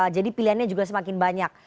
jadi pilihannya juga semakin banyak